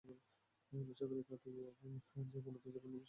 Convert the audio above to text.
বেসরকারি খাত এগিয়ে যায় মূলত যেকোনো বিষয়ে ত্বরিত সিদ্ধান্ত গ্রহণের মধ্য দিয়ে।